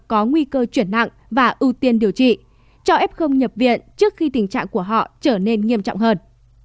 có nguy cơ chuyển nặng và ưu tiên điều trị cho phép không nhập viện trước khi tình trạng của họ trở nên nghiêm trọng hơn